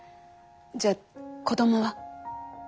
じゃあ子どもは？